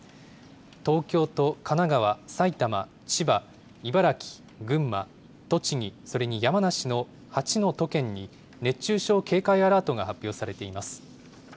東京と神奈川、埼玉、千葉、茨城、群馬、栃木、それに山梨の８の都県に、熱中症警戒アラートが発表されています。